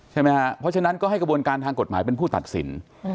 ใช่ไหมฮะเพราะฉะนั้นก็ให้กระบวนการทางกฎหมายเป็นผู้ตัดสิน